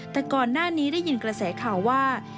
แต่ก่อนหน้านี้ได้ยินกระแสข่าวว่า